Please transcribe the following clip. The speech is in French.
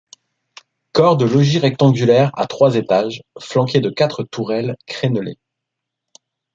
Corps de logis rectangulaire à trois étages, flanqués de quatre tourelles crênelées.